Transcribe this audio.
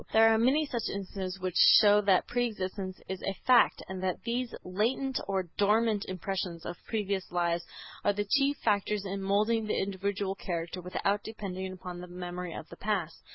There are many such instances which show that pre existence is a fact, and that these latent or dormant impressions of previous lives are the chief factors in moulding the individual character without depending upon the memory of the past.